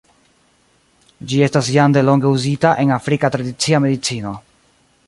Ĝi estas jam delonge uzita en afrika tradicia medicino.